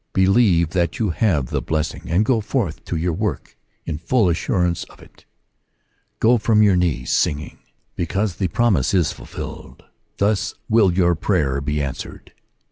Believe that you have the blessing, and go forth to your work in full assurance of it. Go from your knees singing, because the y2 According to the Promise. promise is fulfilled : thus will your prayer be answered.